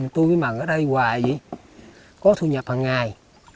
tôi mới mần ở đây hoài vậy có thu nhập hằng ngày